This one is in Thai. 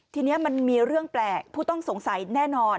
ทีนี้มันมีเรื่องแปลกผู้ต้องสงสัยแน่นอน